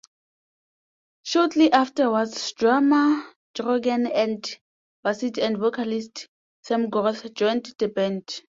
Shortly afterwards drummer Draugen and bassist and vocalist Themgoroth joined the band.